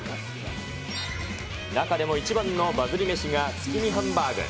中でも一番のバズり飯が月見ハンバーグ。